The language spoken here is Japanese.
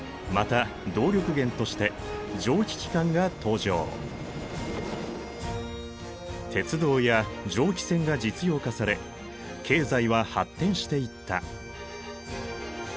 また鉄道や蒸気船が実用化され経済は発展していった。